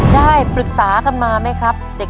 ได้ปรึกษากันมาไหมครับเด็ก